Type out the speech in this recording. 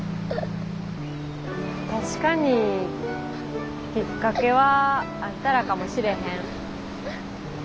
確かにきっかけはあんたらかもしれへん。